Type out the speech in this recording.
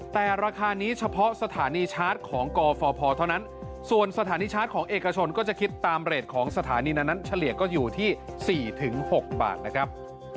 แต่ราคานี้เฉพาะสถานีชาร์จของกฟพเท่านั้นส่วนสถานีชาร์จของเอกชนก็จะคิดตามเรทของสถานีนั้นเฉลี่ยก็อยู่ที่๔๖บาทนะครับ